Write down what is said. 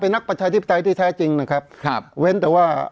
เพราะฉะนั้นประชาธิปไตยเนี่ยคือการยอมรับความเห็นที่แตกต่าง